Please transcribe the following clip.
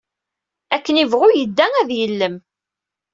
Akken ibɣu yedda ad yellem.